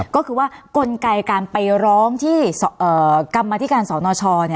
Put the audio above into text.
ก็คือว่ากลไกลการไปร้องกรรมมาธิการศรนช